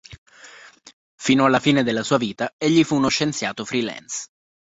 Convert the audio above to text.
Fino alla fine della sua vita egli fu uno scienziato free-lance.